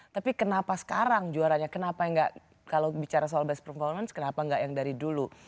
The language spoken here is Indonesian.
tapi kenapa sekarang juaranya kenapa nggak kalau bicara soal best performance kenapa nggak yang dari dulu